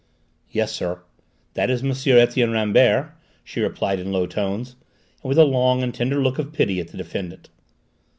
"Yes, sir, that is M. Etienne Rambert," she replied in low tones, and with a long and tender look of pity at the defendant.